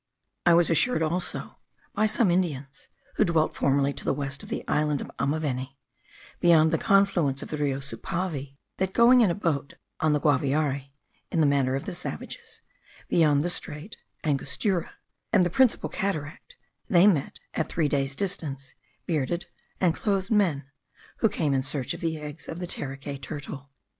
I was assured also by some Indians, who dwelt formerly to the west of the island of Amanaveni, beyond the confluence of the Rio Supavi, that going in a boat on the Guaviare (in the manner of the savages) beyond the strait (angostura) and the principal cataract, they met, at three days' distance, bearded and clothed men, who came in search of the eggs of the terekay turtle.